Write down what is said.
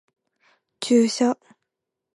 注射